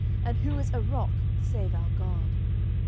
and who is a rock, save our God?